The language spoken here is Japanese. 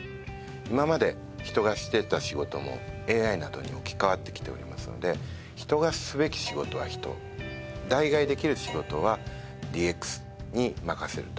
今まで人がしていた仕事もＡＩなどに置き換わってきておりますので人がすべき仕事は人代替えできる仕事はＤＸに任せると。